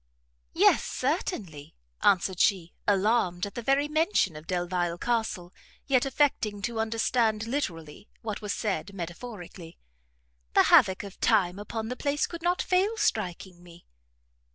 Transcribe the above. "Yes, certainly," answered she, alarmed at the very mention of Delvile Castle, yet affecting to understand literally what was said metaphorically, "the havoc of time upon the place could not fail striking me."